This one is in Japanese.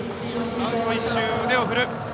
ラスト１周、腕を振る。